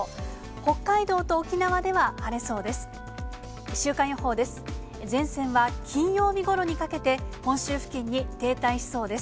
北海道と沖縄では晴れそうです。